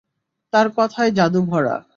তার কথায় জাদু ভরা।